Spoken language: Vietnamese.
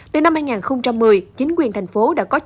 từ năm hai nghìn một mươi chính quyền thành phố đã có chứng minh